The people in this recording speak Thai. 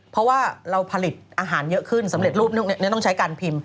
เพราะว่าเราผลิตอาหารเยอะขึ้นสำเร็จรูปนี้ต้องใช้การพิมพ์